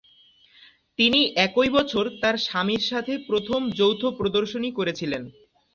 তিনি একই বছর তার স্বামীর সাথে প্রথম যৌথ প্রদর্শনী করেছিলেন।